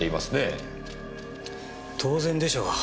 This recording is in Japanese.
当然でしょう。